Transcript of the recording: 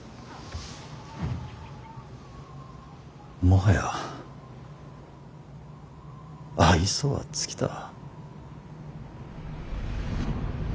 もはや愛想は尽きた。